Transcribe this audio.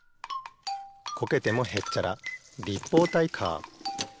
こけてもへっちゃら立方体カー。